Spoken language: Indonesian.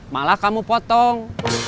malah kamu potong